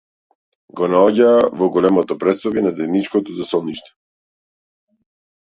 Го наоѓа во големото претсобје на заедничкото засолниште.